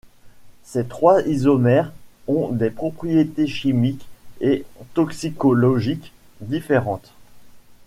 Ces trois isomères ont des propriétés chimiques et toxicologiques différentes.